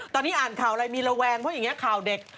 ตอนนี้อ่านข่าวอะไรมีระแวงเพราะอย่างนี้ข่าวเด็ก